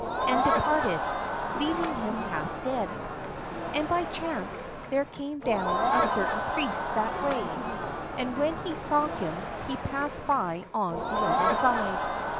and departed, leaving him half dead. And by chance there came down a certain priest that way : and when he saw him, he passed by on the other side.